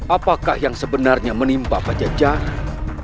apakah yang sebenarnya menimpa pajajaran